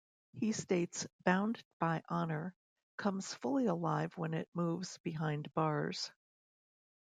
He states "Bound By Honor" comes fully alive when it moves behind bars.